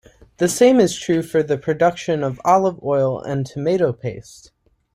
The same is true for the production of olive oil and tomato paste.